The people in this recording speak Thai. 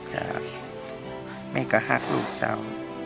จ้ะไม่ก็หักลูกเจ้า